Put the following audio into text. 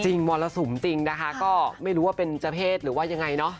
มรสุมจริงนะคะก็ไม่รู้ว่าเป็นเจ้าเพศหรือว่ายังไงเนาะ